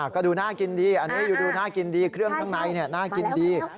ก็ดูน่ากินดีอันนี้ดูน่ากินดีเครื่องข้างในน่ากินดี